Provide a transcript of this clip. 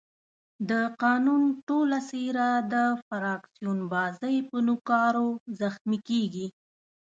د قانون ټوله څېره د فراکسیون بازۍ په نوکارو زخمي کېږي.